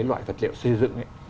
loại vật liệu xây dựng ấy